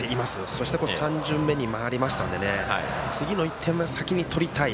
そして、３巡目に回りましたので次の１点は先に取りたい。